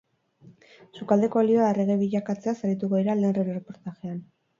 Sukaldeko olioa erregai bilakatzeaz arituko dira lehen erreportajean.